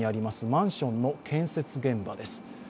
マンションの建設現場です。